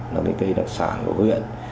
là cái cây đặc sản của huyện